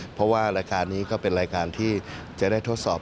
เพราะว่ารายการนี้ก็เป็นรายการที่จะได้ทดสอบ